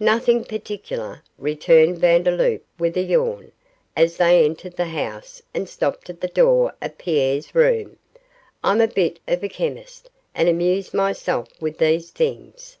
'Nothing particular,' returned Vandeloup, with a yawn, as they entered the house and stopped at the door of Pierre's room. 'I'm a bit of a chemist, and amuse myself with these things.